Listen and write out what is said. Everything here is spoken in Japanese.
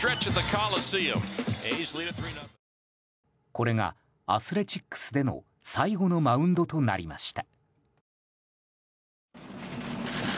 これがアスレチックスでの最後のマウンドとなりました。